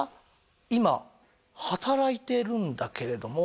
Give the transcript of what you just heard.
「今働いてるんだけれども」